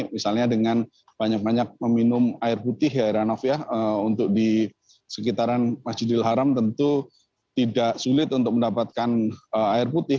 misalnya dengan banyak banyak meminum air putih ya heranov ya untuk di sekitaran masjidil haram tentu tidak sulit untuk mendapatkan air putih